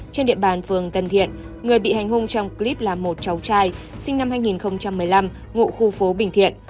trên địa bàn phường tân thiện người bị hành hung trong clip là một cháu trai sinh năm hai nghìn một mươi năm ngụ khu phố bình thiện